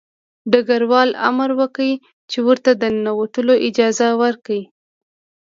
ډګروال امر وکړ چې ورته د ننوتلو اجازه ورکړي